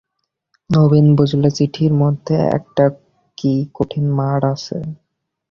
নবীন বুঝলে চিঠির মধ্যে একটা কী কঠিন মার আছে।